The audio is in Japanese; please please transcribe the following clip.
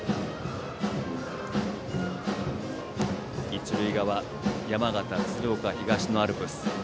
一塁側、山形・鶴岡東のアルプス。